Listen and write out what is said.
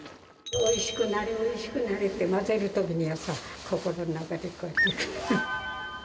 おいしくなれ、おいしくなれって、混ぜるときにはさ、心の中でこうやって。